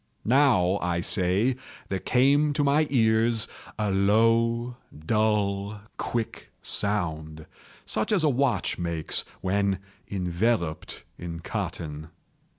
—now, I say, there came to my ears a low, dull, quick sound, such as a watch makes when enveloped in cotton.